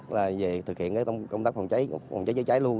là về thực hiện công tác phòng cháy chữa cháy luôn